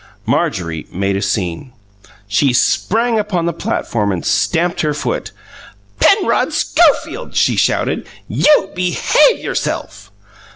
Marjorie made a scene. She sprang upon the platform and stamped her foot. "Penrod Schofield!" she shouted. "You BEHAVE yourself!"